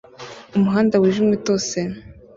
Umuhanda wijimye utose